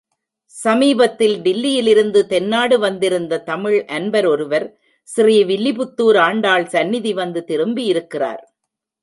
சமீபத்தில் டில்லியில் இருந்து தென்னாடு வந்திருந்த தமிழ் அன்பர் ஒருவர் ஸ்ரீ வில்லிபுத்தூர் ஆண்டாள் சந்நிதி வந்து திரும்பியிருக்கிறார்.